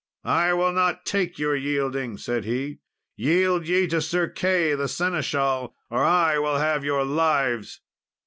"I will not take your yielding!" said he; "yield ye to Sir Key, the seneschal, or I will have your lives."